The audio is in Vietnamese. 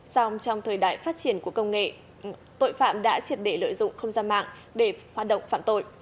xong trong thời đại phát triển của công nghệ tội phạm đã triệt để lợi dụng không gian mạng để hoạt động phạm tội